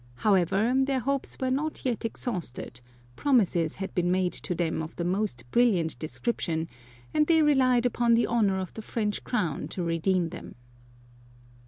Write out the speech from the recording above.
However, their hopes were not yet exhausted, promises had been made to them of the most brilliant description, and they relied upon the honour of the French crown to redeem them.